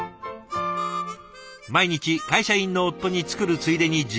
毎日会社員の夫に作るついでに自分の分も。